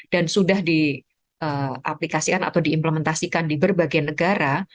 dan sudah di aplikasikan atau diimplementasikan di berbagai negara